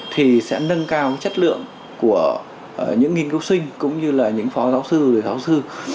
thì sẽ nâng cao chất lượng của những nghiên cứu sinh cũng như là những phó giáo sư giáo sư